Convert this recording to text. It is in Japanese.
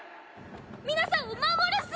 皆さんを守るっす！